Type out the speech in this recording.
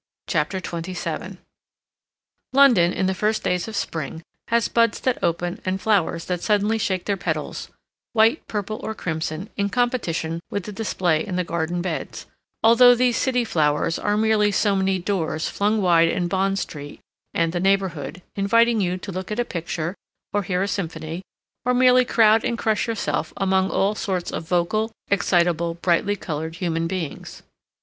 CHAPTER XXVII London, in the first days of spring, has buds that open and flowers that suddenly shake their petals—white, purple, or crimson—in competition with the display in the garden beds, although these city flowers are merely so many doors flung wide in Bond Street and the neighborhood, inviting you to look at a picture, or hear a symphony, or merely crowd and crush yourself among all sorts of vocal, excitable, brightly colored human beings.